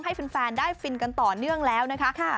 ให้แฟนได้ฟินกันต่อเนื่องแล้วนะคะ